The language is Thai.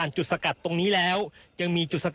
อันนี้คือเต็มร้อยเป็นเต็มร้อยเปอร์เซ็นต์แล้วนะครับ